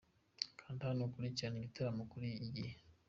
Kanda hano ukurikirane igitaramo kuri Igihe.